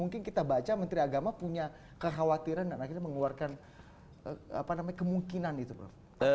mungkin kita baca menteri agama punya kekhawatiran dan akhirnya mengeluarkan kemungkinan itu prof